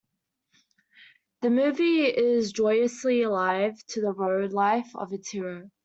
The movie is joyously alive to the road life of its hero.